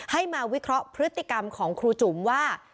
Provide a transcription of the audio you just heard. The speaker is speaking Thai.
ให้มาวิเคราะห์พฤติกรรมของครูจุ๋มว่า